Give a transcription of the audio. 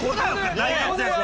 大活躍は。